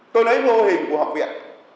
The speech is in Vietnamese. tôi lấy mô hình của học viện